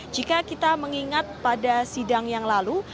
jika kita mengingat pada sidang yang lalu